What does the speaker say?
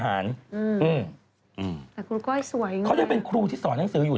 ถ้าเจ้าให้ฉันเล่าอะไรอีกฉันจะต้องให้เล่าก่อน